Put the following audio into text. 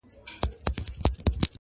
خو حقيقت نه بدل کيږي تل